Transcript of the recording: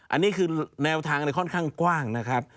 อันนี้คือแนวทางค่อนข้างกว้างนะครับ